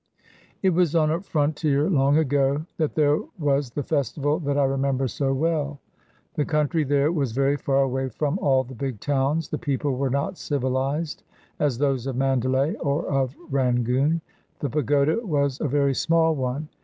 It was on a frontier long ago that there was the festival that I remember so well. The country there was very far away from all the big towns; the people were not civilized as those of Mandalay or of Rangoon; the pagoda was a very small one.